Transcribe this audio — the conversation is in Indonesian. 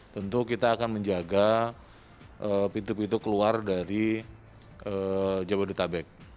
tentu kita akan menjaga pintu pintu keluar dari jabodetabek